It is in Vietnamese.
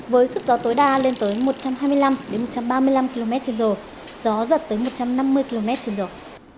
với sức gió tối đa lên tới một trăm hai mươi năm một trăm ba mươi năm km trên giờ gió giật tới một trăm năm mươi km trên giờ